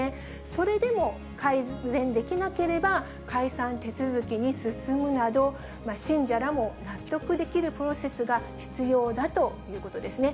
それでも改善できなければ、解散手続きに進むなど、信者らも納得できるプロセスが必要だということですね。